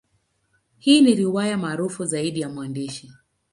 Hii ni riwaya maarufu zaidi ya mwandishi.